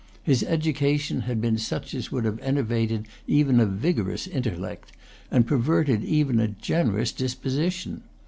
His education had been such as would have enervated even a vigorous intellect, and perverted even a generous disposition.